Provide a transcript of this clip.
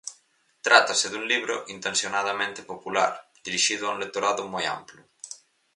Trátase dun libro intencionadamente popular, dirixido a un lectorado moi amplo.